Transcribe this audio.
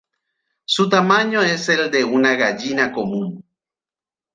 Su tamaño es el de una gallina común.